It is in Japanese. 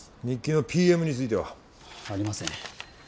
日記のＰＭについては？ありません。